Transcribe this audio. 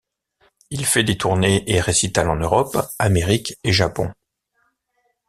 Il fait des tournées et récitals en Europe, Amérique et Japon.